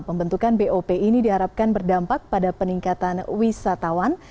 pembentukan bop ini diharapkan berdampak pada peningkatan wisatawan